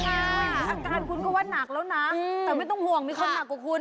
อาการคุณก็ว่านักแล้วนะแต่ไม่ต้องห่วงมีคนหนักกว่าคุณ